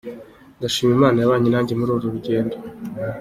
Ndashima imana yabanye nanjye muri uru rugendo